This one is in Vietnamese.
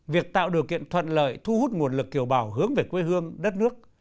việc tạo điều kiện thuận lợi thu hút nguồn lực kiều bào hướng về quê hương đất nước